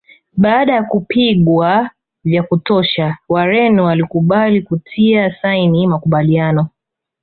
Baada ya kupigwa vya kutosha Wareno walikubali kutia saini makubaliano